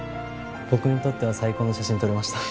僕にとっては最高の写真撮れました。